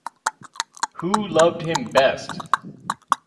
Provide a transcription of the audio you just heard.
Who Loved Him Best?